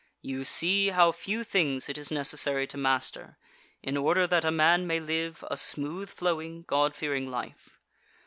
You see how few things it is necessary to master in order that a man may live a smooth flowing, God fearing life.